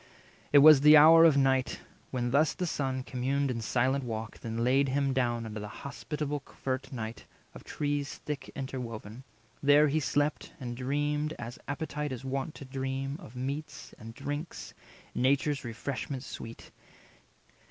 It was the hour of night, when thus the Son 260 Communed in silent walk, then laid him down Under the hospitable covert nigh Of trees thick interwoven. There he slept, And dreamed, as appetite is wont to dream, Of meats and drinks, nature's refreshment sweet.